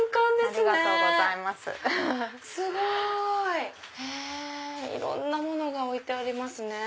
すごい！いろんなものが置いてありますね。